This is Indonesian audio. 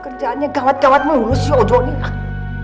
kerjaannya gawat gawat mulus yaudah nih